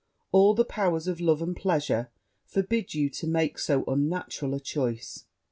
All the powers of love and pleasure forbid you to make so unnatural a choice!'